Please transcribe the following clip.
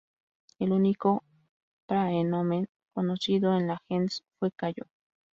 El único "praenomen" conocido de la "gens" fue Cayo.